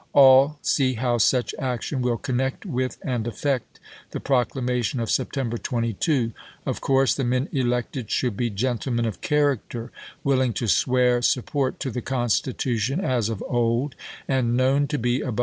All see how such action will connect with and affect the proclamation of September 22. Of course the men elected should be gentlemen of character, willing to swear support to the Constitution, as of old, and known Lincoln to Butler Oct.